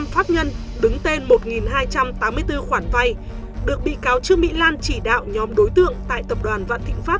bốn trăm ba mươi năm phát nhân đứng tên một hai trăm tám mươi bốn khoản vai được bị cáo trương mỹ lan chỉ đạo nhóm đối tượng tại tập đoàn vạn thịnh pháp